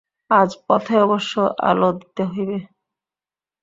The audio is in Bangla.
আজ পথে অবশ্য আলো দিতে হইবে?